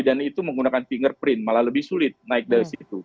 dan itu menggunakan fingerprint malah lebih sulit naik dari situ